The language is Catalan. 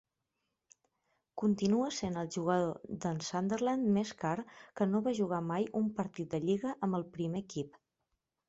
Continua sent el jugador del Sunderland més car que no va jugar mai un partit de lliga amb el primer equip.